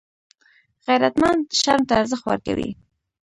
غیرتمند شرم ته ارزښت ورکوي